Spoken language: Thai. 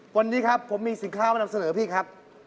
วันนี้ครับผมมีสินค้ามานำเสนอพี่ครับ